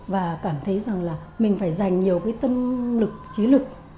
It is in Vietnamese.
và cảm thấy rằng là mình phải dành nhiều cái tâm lực trí lực